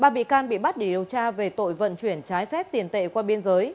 ba bị can bị bắt để điều tra về tội vận chuyển trái phép tiền tệ qua biên giới